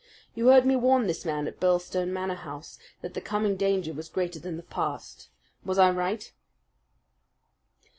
You heard me warn this man at Birlstone Manor House that the coming danger was greater than the past. Was I right?"